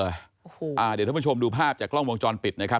เดี๋ยวท่านผู้ชมดูภาพจากกล้องวงจรปิดนะครับ